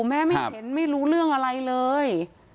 แม่ไม่เห็นไม่รู้เรื่องอะไรเลย